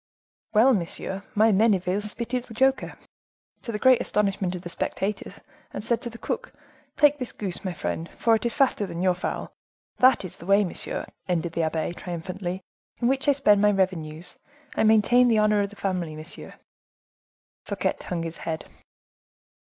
"Well, monsieur, my Menneville spitted the joker, to the great astonishment of the spectators, and said to the cook:—'Take this goose, my friend, for it is fatter than your fowl.' That is the way, monsieur," ended the abbe, triumphantly, "in which I spend my revenues; I maintain the honor of the family, monsieur." Fouquet hung his head.